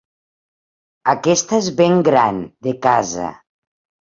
Aquesta és ben gran, de casa.